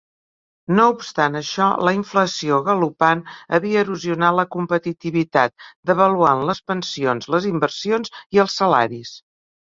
No obstant això, la inflació galopant havia erosionat la competitivitat, devaluat les pensions, les inversions i els salaris.